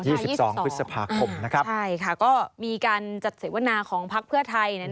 สิบสองพฤษภาคมนะครับใช่ค่ะก็มีการจัดเสวนาของพักเพื่อไทย